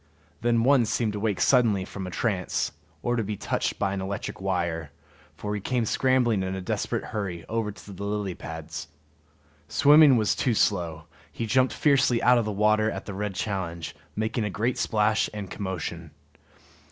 Then one seemed to wake suddenly from a trance, or to be touched by an electric wire, for he came scrambling in a desperate hurry over the lily pads. Swimming was too slow; he jumped fiercely out of water at the red challenge, making a great splash and commotion.